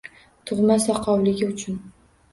Tug’ma Soqovligi uchun.